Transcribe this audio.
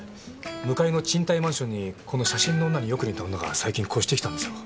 向かいの賃貸マンションにこの写真の女によく似た女が最近越してきたんですよ。